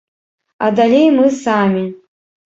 А далей мы самі.